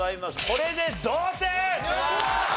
これで同点！